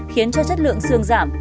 khiến cho chất lượng xương giảm